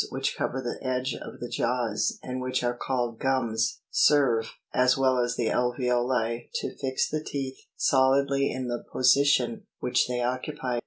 which cover the edge of the jaws, and which are called gums, serve, as well as the alveoli, to fix the teeth solidly in the po sition which they occupy.